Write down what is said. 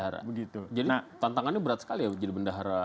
jadi tantangannya berat sekali ya jadi bendahara